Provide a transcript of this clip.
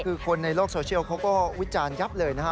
คือคนในโลกโซเชียลเขาก็วิจารณ์ยับเลยนะฮะ